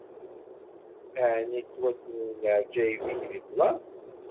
Ɛni ttwassnen leɛǧayeb-ik di ṭṭlam?